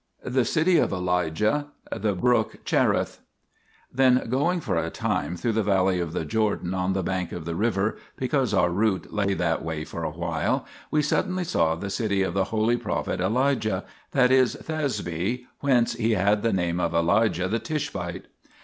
THE CITY OF ELIJAH. THE BROOK CHERITH Then going for a time through the valley of the Jordan on the bank of the river, because our route lay that way for a while, we suddenly saw the city of the holy prophet Elijah, that is Thesbe, whence he had the name of Elijah the Tishbite.